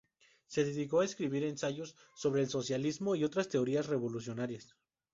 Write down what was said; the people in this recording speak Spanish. Se dedicó a escribir ensayos sobre el socialismo y otras teorías revolucionarias.